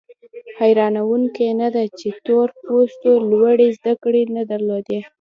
حیرانوونکي نه ده چې تور پوستو لوړې زده کړې نه درلودې.